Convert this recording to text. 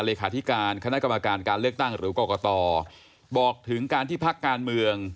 เลขาธิการคณะกรรมการการเลือกตั้งหรือกรกตบอกถึงการที่พักการเมือง